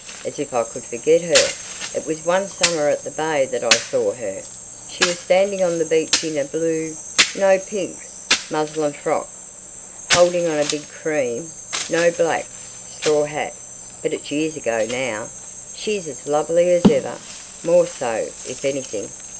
As if I could forget her! It was one summer at the Bay that I saw her. She was standing on the beach in a blue"—no, pink—"muslin frock, holding on a big cream"—no, black—"straw hat. But it's years ago now." "She's as lovely as ever, more so if anything."